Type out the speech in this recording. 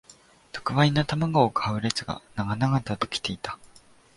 特売の玉子を買う列が長々と出来ていた